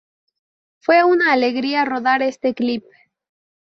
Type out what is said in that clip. Fue una alegría rodar este clip.